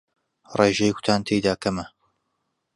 ڕێژەی کوتان تێیدا کەمە